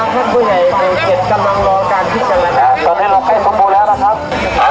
ท่านผู้ใหญ่เป็นเกษตรกำลังรอการทิ้งกันนะครับ